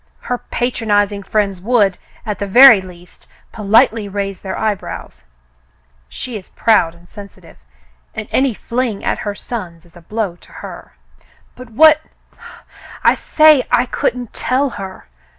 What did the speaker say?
Her patronizing friends would, at the very least, politely raise their eyebrows. She is proud and sensitive, and any fling at her sons is a blow to her." "But what —" *'I say I couldn't tell her.